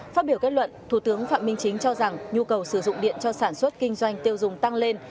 phát biểu kết luận thủ tướng phạm minh chính cho rằng nhu cầu sử dụng điện cho sản xuất kinh doanh tiêu dùng tăng lên